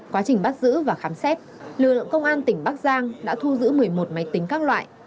quá trình bắt giữ và khám xét lực lượng công an tỉnh bắc giang đã thu giữ một mươi một máy tính các loại